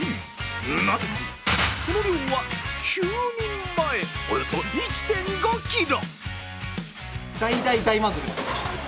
なんと、その量は９人前、およそ１．５ｋｇ。